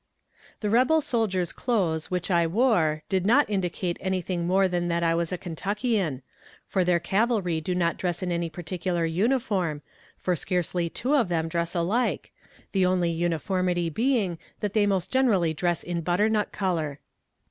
The rebel soldier's clothes which I wore did not indicate any thing more than that I was a Kentuckian for their cavalry do not dress in any particular uniform, for scarcely two of them dress alike the only uniformity being that they most generally dress in butternut color.